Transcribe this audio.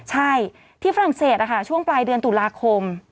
ใช่ที่ฝรั่งเศสช่วงปลายเดือนตุลาคม